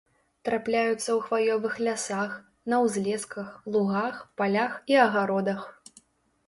Трапляюцца ў хваёвых лясах, на ўзлесках, лугах, палях і агародах.